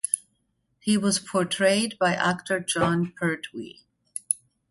He was portrayed by actor Jon Pertwee.